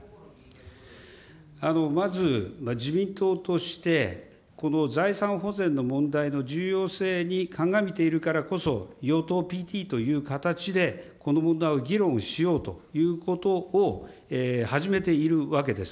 まず自民党として、この財産保全の問題の重要性に鑑みているからこそ、与党ＰＴという形でこの問題を議論しようということを始めているわけです。